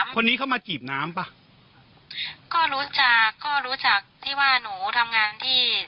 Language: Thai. คนนี้เข้ามาจีบน้ำป่ะก็รู้จักก็รู้จักที่ว่าหนูทำงานที่